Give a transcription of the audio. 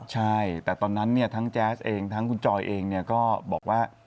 ใช่แต่ตอนนั้นทั้งแจ๊สเองทั้งคุณจอยเองก็บอกว่า